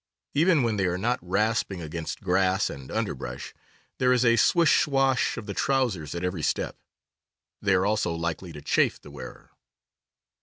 Even when they are not rasping against grass and underbush, there is a swish swash of the trousers at every step. They are also likely to chafe the wearer.